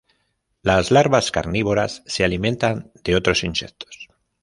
Las larvas carnívoras se alimentan de otros insectos.